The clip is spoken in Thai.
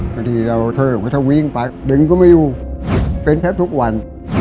บางทีเราเทิงวิ่งไปดึงก็ไม่อยู่เป็นแค่ทุกวัน